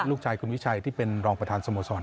ลูกชายคุณวิชัยที่เป็นรองประธานสโมสร